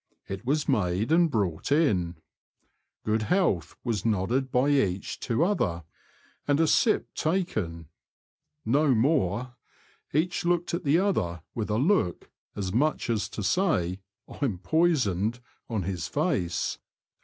It was made and brought in. "Good health !" was nodded by each to other, and a sip taken. No more ! Each looked at the other with a look, as much as to say '* I'm poisoned," on his face.